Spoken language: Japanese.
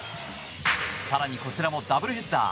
更に、こちらもダブルヘッダー。